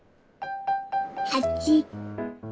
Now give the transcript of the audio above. ８。